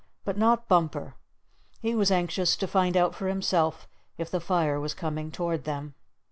But not Bumper. He was anxious to find out for himself if the fire was coming toward them.